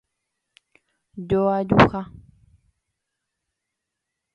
Joajuha